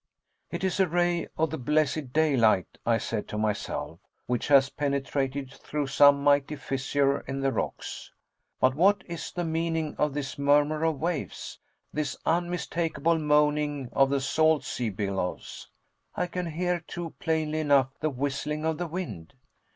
"It is a ray of the blessed daylight," I said to myself, "which has penetrated through some mighty fissure in the rocks. But what is the meaning of this murmur of waves, this unmistakable moaning of the salt sea billows? I can hear, too, plainly enough, the whistling of the wind.